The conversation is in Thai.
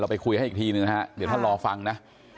ไปคุยให้อีกทีหนึ่งนะฮะเดี๋ยวท่านรอฟังนะ